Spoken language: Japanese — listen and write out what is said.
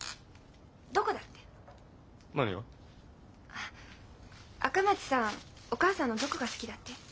あっ赤松さんお母さんのどこが好きだって？